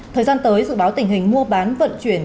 thời gian tới dự báo tình hình mua bán vận chuyển